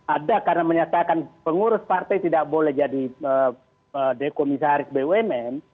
ada karena menyatakan pengurus partai tidak boleh jadi komisaris bumn